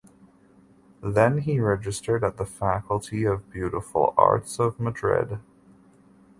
Then he registered at the Faculty of Beautiful Arts of Madrid.